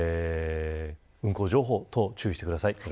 運行情報等注意してください。